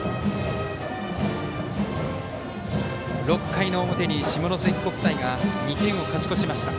６回の表に下関国際が２点を勝ち越しました。